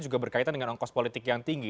juga berkaitan dengan ongkos politik yang tinggi